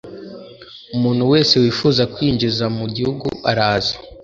umuntu wese wifuza kwinjiza mu gihugu araza